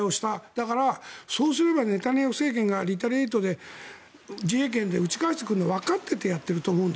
だからそうすればネタニヤフ政権がリタリエイトで自衛権で撃ち返してくることはわかっていてやっていると思う。